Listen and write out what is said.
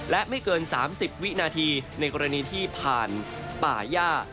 และไม่เกิน๓๐วินาทีในกรณีที่ผ่านป่าย่า